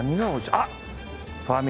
あっ！